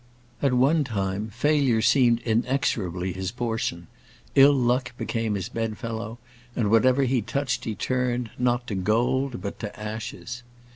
At one time failure seemed inexorably his portion; ill luck became his bed fellow, and whatever he touched he turned, not to gold, but to ashes.